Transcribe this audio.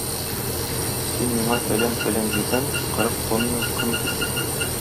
Син миңа фәлән-фәлән җирдән кырык тонна ком китер.